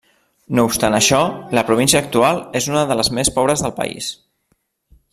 No obstant això, la província actual és una de les més pobres del país.